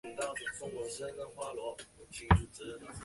表面交互和详细的错误信息。